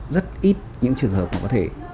rất ít những trường hợp có thể